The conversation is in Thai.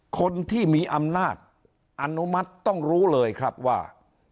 คนที่มีอำนาจอนุมัติต้องรู้เลยครับว่า